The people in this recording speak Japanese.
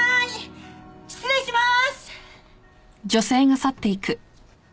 失礼します！